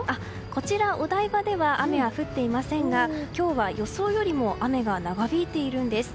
こちら、お台場では雨は降っていませんが今日は予想よりも雨が長引いているんです。